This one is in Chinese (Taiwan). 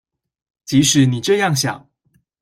即使你這樣想